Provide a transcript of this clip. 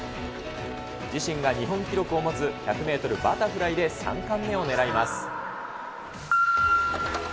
自身が日本記録を持つ１００メートルバタフライで３冠目を狙います。